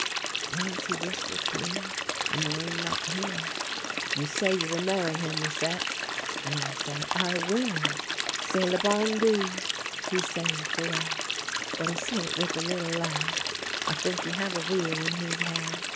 But once he whisper to me, and Norinne not hear: ' You say you will marry him, Rachette ?' and I say, ' I will.' "' C'est le bon Dieu !' he say at the last, but he say it with a little laugh. I think he have a wheel in his head.